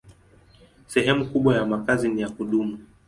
Sehemu kubwa ya makazi ni ya kudumu.